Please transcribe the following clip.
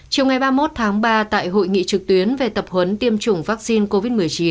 chiều ngày ba mươi một tháng ba tại hội nghị trực tuyến về tập huấn tiêm chủng vaccine covid một mươi chín